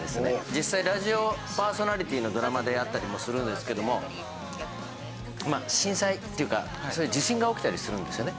実際ラジオパーソナリティーのドラマであったりもするんですけども震災というか地震が起きたりするんですよね。